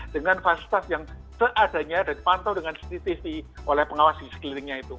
dengan fasilitas yang seadanya dan dipantau dengan cctv oleh pengawas di sekelilingnya itu